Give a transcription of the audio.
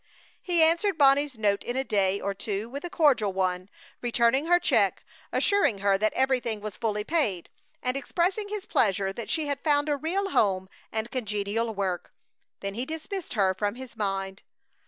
He answered Bonnie's note in a day or two with a cordial one, returning her check, assuring her that everything was fully paid, and expressing his pleasure that she had found a real home and congenial work. Then he dismissed her from his mind.